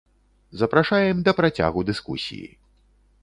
Запрашаем да працягу дыскусіі.